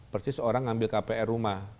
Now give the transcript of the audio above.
persis orang ngambil kpr rumah